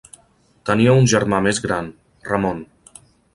Tenia un germà més gran, Ramon.